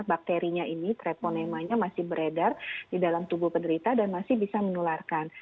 bakterinya ini treponemanya masih beredar di dalam tubuh penderita dan masih bisa menularkan